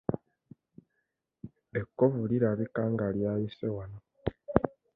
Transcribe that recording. Ekkovu lirabika nga lyayise wano.